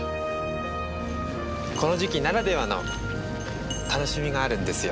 この時期ならではの楽しみがあるんですよ。